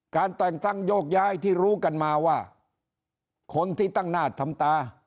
แต่งตั้งโยกย้ายที่รู้กันมาว่าคนที่ตั้งหน้าทำตา